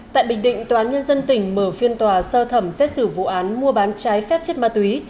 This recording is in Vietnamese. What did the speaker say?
tại bình định tòa án nhân dân tỉnh mở phiên tòa sơ thẩm xét xử vụ án mua bán trái phép chất ma túy